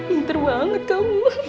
mentor banget kamu